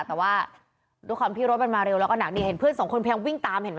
แต่ว่าด้วยความที่รถมันมาเร็วแล้วก็หนักนี่เห็นเพื่อนสองคนพยายามวิ่งตามเห็นไหม